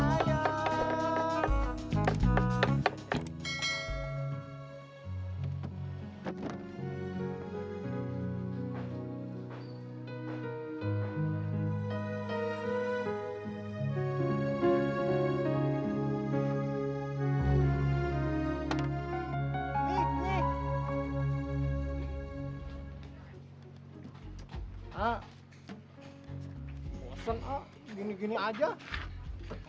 ayah saya sudah meninggal pak